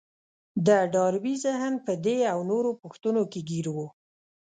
د ډاربي ذهن په دې او نورو پوښتنو کې ګير و.